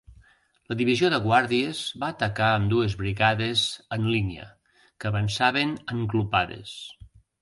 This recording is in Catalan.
La divisió de guàrdies va atacar amb dues brigades en línia, que avançaven en glopades.